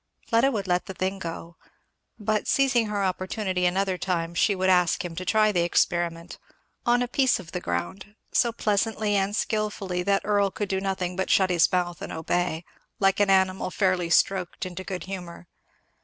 Fleda would let the thing go. But seizing her opportunity another time she would ask him to try the experiment, on a piece of the ground; so pleasantly and skilfully that Earl could do nothing but shut his mouth and obey, like an animal fairly stroked into good humour.